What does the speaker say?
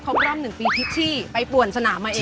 ครบรอบ๑ปีที่ไปปวดสนามมาเองด้วย